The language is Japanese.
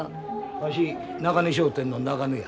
わし中根商店の中根や。